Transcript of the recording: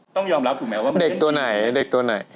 ต้องยอมรับถูกไหมว่าเด็กตัวไหนเด็กตัวไหน